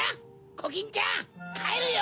コキンちゃんかえるよ！